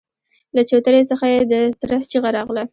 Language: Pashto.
له چوترې څخه يې د تره چيغه راغله!